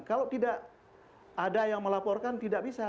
kalau tidak ada yang melaporkan tidak bisa